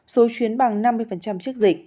số chuyến bằng năm mươi trước dịch